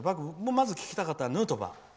まず聞きたかったのはヌートバー。